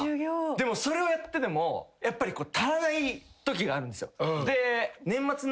でもそれをやってでもやっぱり足らないときがあるんですよ。